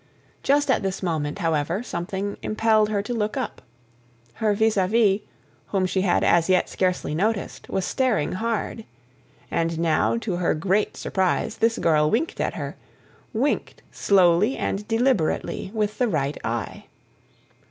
Just at this moment, however, something impelled her to look up. Her vis a vis, whom she had as yet scarcely noticed, was staring hard. And now, to her great surprise, this girl winked at her, winked slowly and deliberately with the right eye.